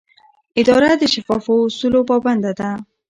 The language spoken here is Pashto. اداره د شفافو اصولو پابنده ده.